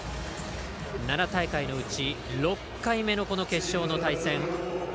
７大会のうち６回目の決勝の対戦。